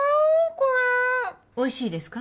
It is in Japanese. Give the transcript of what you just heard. これおいしいですか？